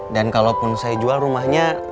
dan kalaupun saya jual rumahnya